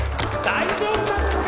「大丈夫なんですか？」